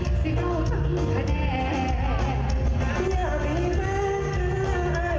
อยากที่แม่หรือใครว่าแบบไว้ที่ต้องมาให้เธอที่เดินได้บอก